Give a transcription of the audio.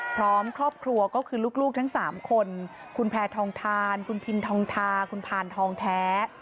พร้อมครอบครัวก็คือลูกทั้ง๓คนคุณแพทองทานคุณพินทองทาคุณพานทองแท้